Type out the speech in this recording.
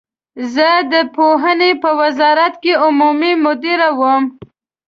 زه د پوهنې په وزارت کې عمومي مدیر وم.